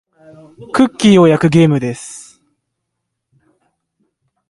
クッキーを焼くゲームです。